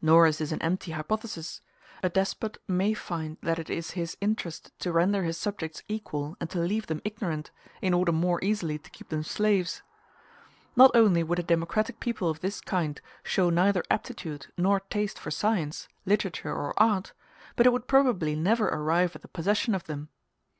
Nor is this an empty hypothesis: a despot may find that it is his interest to render his subjects equal and to leave them ignorant, in order more easily to keep them slaves. Not only would a democratic people of this kind show neither aptitude nor taste for science, literature, or art, but it would probably never arrive at the possession of them.